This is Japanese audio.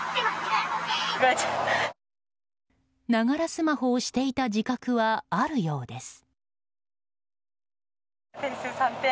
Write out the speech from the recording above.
スマホをしていた自覚はあるようです。